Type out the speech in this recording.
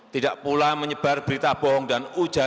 tidak pula menyebar berita bohong dan ujian